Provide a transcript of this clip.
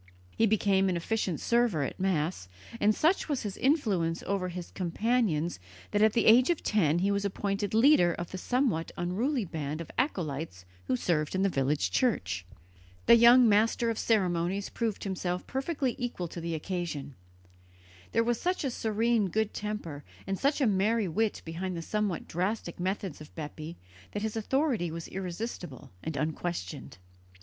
He became an efficient server at Mass, and such was his influence over his companions that at the age of ten he was appointed leader of the somewhat unruly band of acolytes who served in the village church. The young master of ceremonies proved himself perfectly equal to the occasion. There was such a serene good temper and such a merry wit behind the somewhat drastic methods of Bepi that his authority was irresistible and unquestioned.